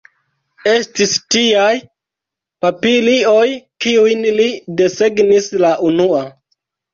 Estis tiaj papilioj, kiujn li desegnis la unua.